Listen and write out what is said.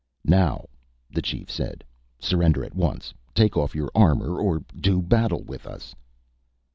"Now," the chief said, "surrender at once. Take off your armor or do battle with us."